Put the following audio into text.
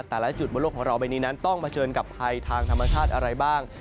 แต่ละจุดบนโลกของเราใบนี้นั้นต้องเผชิญกับภัยทางธรรมชาติอะไรบ้าง